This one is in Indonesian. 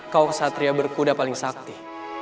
kau ksatria berkuda paling sakti